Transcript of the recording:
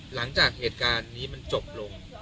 หลังจากเหตุการณ์นี้มันจบลง